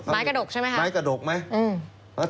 ไม้กระดกใช่ไหมครับอืมไม้กระดกไหม